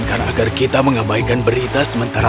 kalau di dalamkait jadi mesir